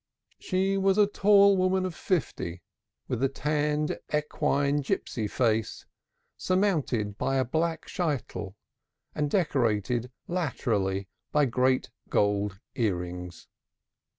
She was a tall woman of fifty, with a tanned equine gypsy face surmounted by a black wig, and decorated laterally by great gold earrings.